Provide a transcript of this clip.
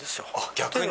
逆に。